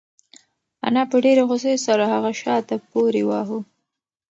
انا په ډېرې غوسې سره هغه شاته پورې واهه.